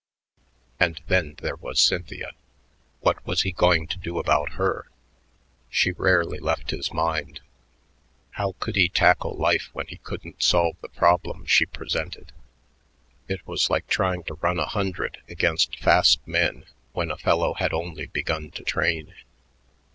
And then there was Cynthia.... What was he going to do about her? She rarely left his mind. How could he tackle life when he couldn't solve the problem she presented? It was like trying to run a hundred against fast men when a fellow had only begun to train.